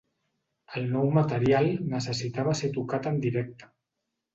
El nou material necessitava ser tocat en directe.